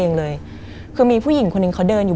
มันกลายเป็นรูปของคนที่กำลังขโมยคิ้วแล้วก็ร้องไห้อยู่